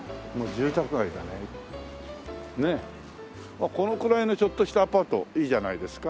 あっこのくらいのちょっとしたアパートいいじゃないですか？